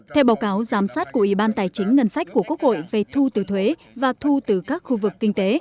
theo báo cáo giám sát của ủy ban tài chính ngân sách của quốc hội về thu từ thuế và thu từ các khu vực kinh tế